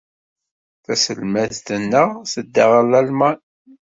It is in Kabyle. Taselmadt-nneɣ tedda ɣer Lalman?